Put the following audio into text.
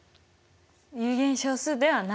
有限小数ではない。